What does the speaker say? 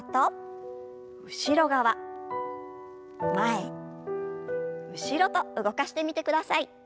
前後ろと動かしてみてください。